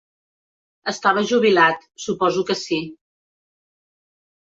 Estava jubilat, suposo que sí.